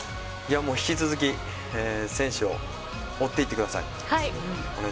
引き続き選手を追っていってください。